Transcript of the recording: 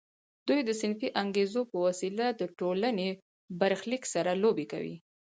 دوی د صنفي انګیزو په وسیله د ټولنې برخلیک سره لوبې کوي